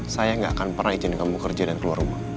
saya gak akan pernah izinkan kamu kerja dan keluar rumah